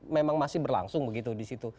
memang masih berlangsung begitu disitu